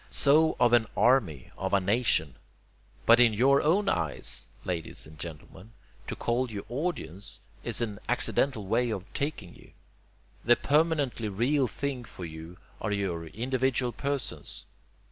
So of an 'army,' of a 'nation.' But in your own eyes, ladies and gentlemen, to call you 'audience' is an accidental way of taking you. The permanently real things for you are your individual persons.